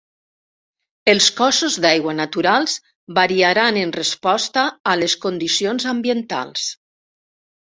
Els cossos d'aigua naturals variaran en resposta a les condicions ambientals.